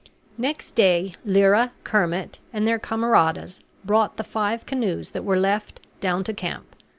Next day Lyra, Kermit, and their camaradas brought the five canoes that were left down to camp.